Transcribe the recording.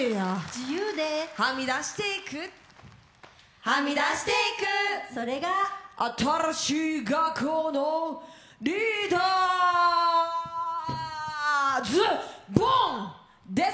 自由ではみ出してくはみだしていくそれが新しい学校のリーダーズです！